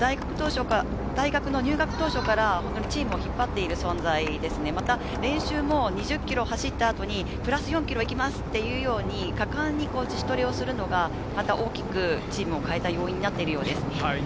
大学の入学当初から１チームを引っ張っている存在で、練習も２０ｋｍ走った後にプラス４ｋｍいけますっていうように、果敢に自主トレをするのが大きくチームを変えた要因になっているようです。